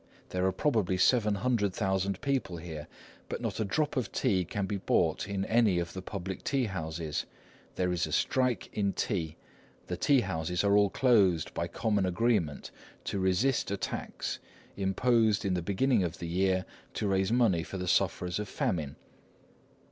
There are probably seven hundred thousand people here, but not a drop of tea can be bought in any of the public tea houses. There is a strike in tea. The tea houses are all closed by common agreement, to resist a tax, imposed in the beginning of the year, to raise money for the sufferers by famine."